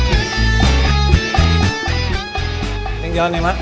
ini jalan nih mak